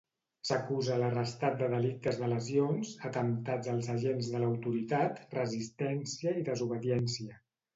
S'acusa l'arrestat de delictes de lesions, atemptats als agents de l'autoritat, resistència i desobediència.